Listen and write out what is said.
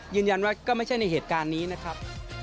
ยืนยันว่าก็ไม่ใช่ในเหตุการณ์นี้นะครับ